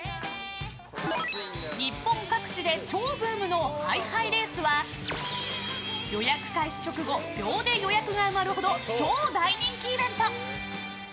日本各地で超ブームのハイハイレースは予約開始直後秒で予約が埋まるほど超大人気イベント！